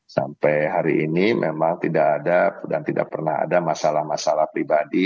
sampai hari ini memang tidak ada dan tidak pernah ada masalah masalah pribadi